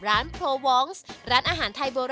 ไปแล้วครับ